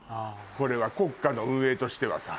これは国家の運営としてはさ。